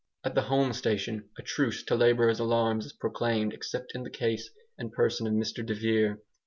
At the home station a truce to labour's "alarms" is proclaimed except in the case and person of Mr de Vere.